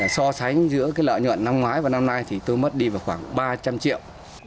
so sánh giữa cái lợi nhuận năm ngoái và năm nay thì tôi mất đi vào khoảng ba trăm linh triệu